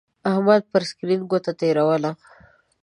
احمد پر سکرین گوته تېروله.